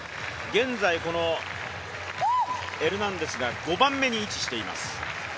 現在、このエルナンデスが５番目に位置しています。